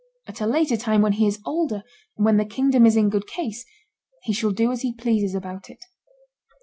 At a later time, when he is older, and when the kingdom is in good case, he shall do as he pleases about it."